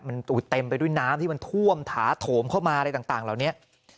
มันเต็มไปด้วยน้ำที่มันท่วมถาโถมเข้ามาอะไรต่างเหล่านี้